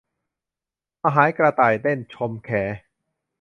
หะหายกระต่ายเต้น ชมแข